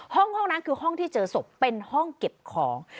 ห้องนั้นคือห้องที่เจอศพเป็นห้องเก็บของ